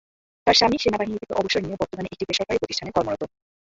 তাঁর স্বামী সেনাবাহিনী থেকে অবসর নিয়ে বর্তমানে একটি বেসরকারি প্রতিষ্ঠানে কর্মরত।